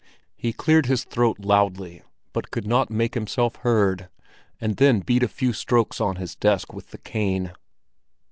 He cleared his throat loudly, but could not make himself heard, and then beat a few strokes on his desk with the cane.